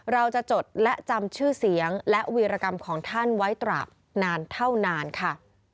จดและจำชื่อเสียงและวีรกรรมของท่านไว้ตราบนานเท่านานค่ะ